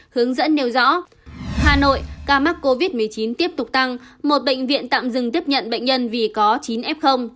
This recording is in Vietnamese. hướng dẫn nêu rõ hà nội ca mắc covid một mươi chín tiếp tục tăng một bệnh viện tạm dừng tiếp nhận bệnh nhân vì có chín f